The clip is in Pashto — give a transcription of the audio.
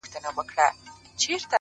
بنگړي نه غواړم؛